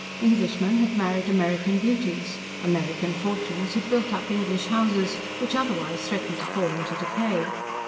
Englishmen had married American beauties. American fortunes had built up English houses, which otherwise threatened to fall into decay.